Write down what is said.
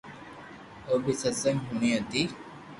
او بي ستسنگ ھوڻتو ھوئي